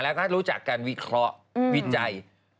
แล้วก็รู้จักการวิเคราะห์วิจัย